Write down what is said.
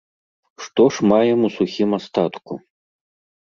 Што ж маем у сухім астатку?